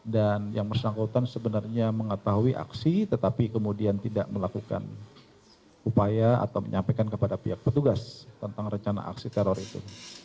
dan yang bersangkutan sebenarnya mengetahui aksi tetapi kemudian tidak melakukan upaya atau menyampaikan kepada pihak petugas tentang rencana aksi teror itu